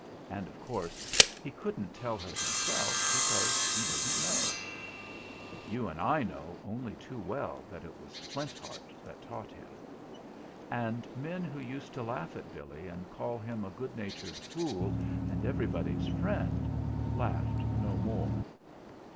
And, of course, he couldn't tell her himself because he didn't know. But you and I know only too well that 84 THE FLINT HEART it was Flint Heart that taught him. And men who used to laugh at Billy and call him a good natured fool and everybody's friend, laughed no more.